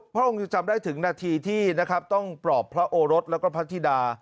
พระองค์จำได้ถึงนาทีที่ต้องปลอบพระโอรสและพระธิดา